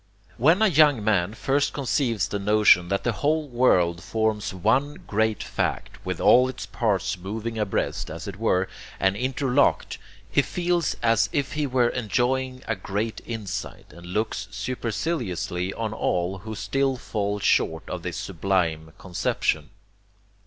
When a young man first conceives the notion that the whole world forms one great fact, with all its parts moving abreast, as it were, and interlocked, he feels as if he were enjoying a great insight, and looks superciliously on all who still fall short of this sublime conception.